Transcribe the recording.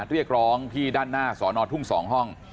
เรียกร้องที่ด้านหน้าสอนอทุ่ง๒ห้อง